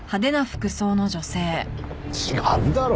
違うだろ。